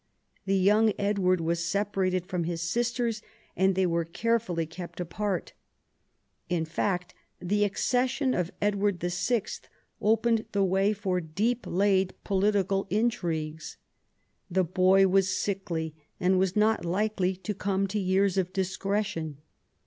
The young Edward was separated from his sisters ; and they were carefully kept apart. In fact, the accession of Edward VI. opened the way for deep laid political intrigues. The boy was sickly, and was not likely to come to years of discretion.